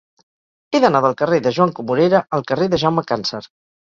He d'anar del carrer de Joan Comorera al carrer de Jaume Càncer.